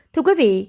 thưa quý vị